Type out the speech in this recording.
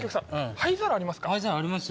灰皿ありますよ。